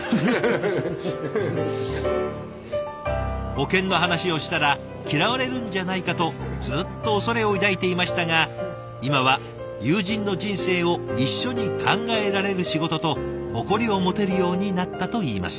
保険の話をしたら嫌われるんじゃないかとずっと恐れを抱いていましたが今は友人の人生を一緒に考えられる仕事と誇りを持てるようになったといいます。